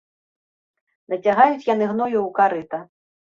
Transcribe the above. Нацягаюць яны гною ў карыта.